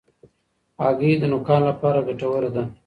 هګۍ د نوکانو لپاره ګټوره ده.